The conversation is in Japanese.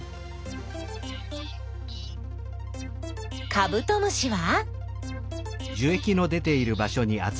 カブトムシは？